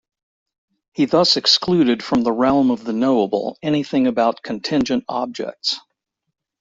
He thus excluded from the realm of the knowable anything about contingent objects.